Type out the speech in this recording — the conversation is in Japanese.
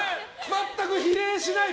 全く比例しない。